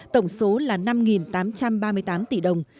tổng số là năm tám trăm ba mươi tám tỷ đồng